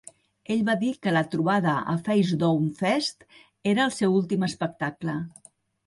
Ell va dir que la trobada a Facedown Fest era el seu últim espectacle.